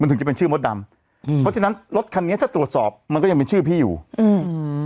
ถึงจะเป็นชื่อมดดำอืมเพราะฉะนั้นรถคันนี้ถ้าตรวจสอบมันก็ยังเป็นชื่อพี่อยู่อืม